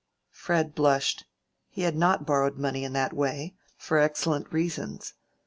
Fred blushed. He had not borrowed money in that way, for excellent reasons.